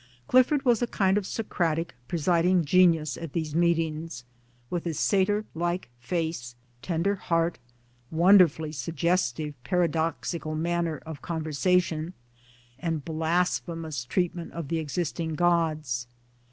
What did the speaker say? Clifford was a kind of Socratic pre siding genius at these meetings with his Satyr like face, tender heart, wonderfully suggestive, para doxical manner of conversation, and blasphemous treatment of the existing gods.